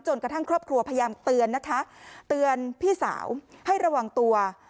กระทั่งครอบครัวพยายามเตือนนะคะเตือนพี่สาวให้ระวังตัว